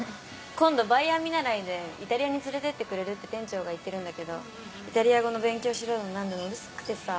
今度バイヤー見習いでイタリアに連れてってくれるって店長が言ってるんだけどイタリア語の勉強しろだの何だのうるさくてさ。